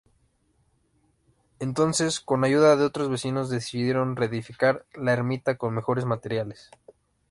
Entonces, con ayuda de otros vecinos decidieron reedificar la ermita con mejores materiales.